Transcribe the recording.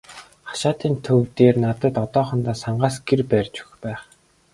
Хашаатын төв дээр надад одоохондоо сангаас гэр барьж өгөх байх.